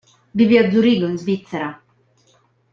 Vive a Zurigo in Svizzera.